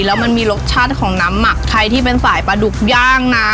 แล้วมันมีรสชาติของน้ำหมักใครที่เป็นสายปลาดุกย่างนะ